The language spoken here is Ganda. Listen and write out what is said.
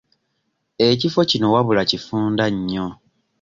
Ekifo kino wabula kifunda nnyo.